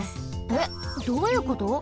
えっ？どういうこと？